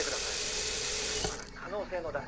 まだ可能性の段階です」